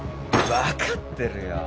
わかってるよ。